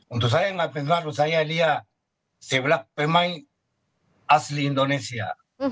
untuk saya yang tidak pengaruh saya adalah sebagai pemain asli indonesia